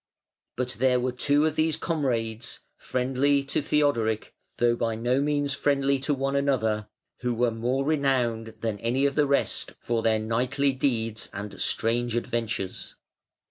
[Footnote 161: Britain.] But there were two of these comrades, friendly to Theodoric, though by no means friendly to one another, who were more renowned than any of the rest for their knightly deeds and strange adventures.